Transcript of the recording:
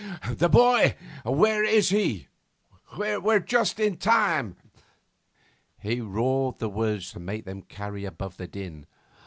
'The boy! Where is he? We're just in time!' He roared the words to make them carry above the din.